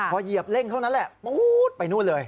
พอเหยียบเร่งเท่านั้นแหละปู๊ดไปนู่นเลย